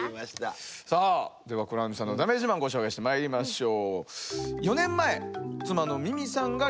さあではクラウンジさんのだめ自慢ご紹介してまいりましょう。